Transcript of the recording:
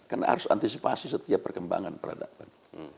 karena harus antisipasi setiap perkembangan peradaban